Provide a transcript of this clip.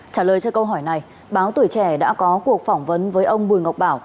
trả lời cho câu hỏi này báo tuổi trẻ đã có cuộc phỏng vấn với ông bùi ngọc bảo